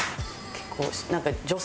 結構。